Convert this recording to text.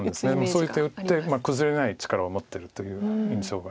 そういう手を打って崩れない力を持ってるというような印象があります。